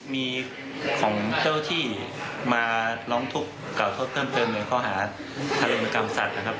มีของเจ้าที่มาร้องทุกข์กล่าวโทษเพิ่มเติมในข้อหาทารุณกรรมสัตว์นะครับ